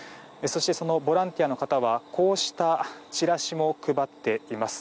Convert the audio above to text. そして、そのボランティアの方はこうしたチラシも配っています。